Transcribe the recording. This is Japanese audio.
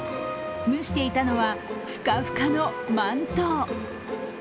蒸していたのはふかふかの饅頭。